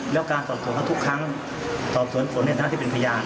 แล้วการสอบสวนเขาทุกครั้งสอบสวนสวนเนี่ยท่านต้องเป็นพยาน